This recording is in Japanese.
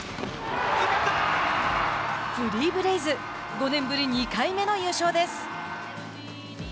フリーブレイズ５年ぶり２回目の優勝です。